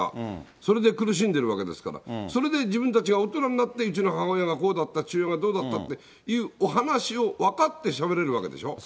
それで苦しんでるわけですから、それで自分たちが大人になって、うちの母親がこうだった、父親がどうだっていうお話を分かってしゃべれるわけでしょ。